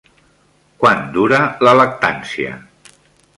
Quant dura la lactància?